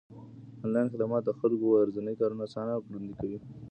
انلاين خدمات د خلکو ورځني کارونه آسانه او ګړندي کوي.